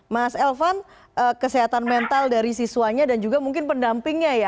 mas elvan kesehatan mental dari siswanya dan juga mungkin pendampingnya ya